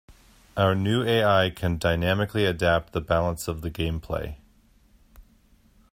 Our new AI can dynamically adapt the balance of the gameplay.